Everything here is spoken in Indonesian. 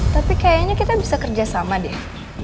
tapi kayaknya kita bisa kerja sama deh